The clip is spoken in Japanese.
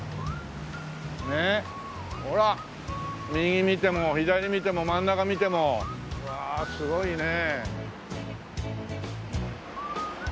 ほら右見ても左見ても真ん中見てもうわあすごいね。